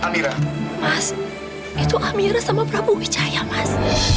mas itu amira sama prabu wicaya mas